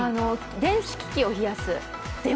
電子機器を冷やす？